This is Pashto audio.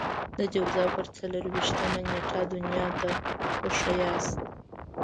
د جوزا پر څلور وېشتمه نېټه دنيا ته وښاياست.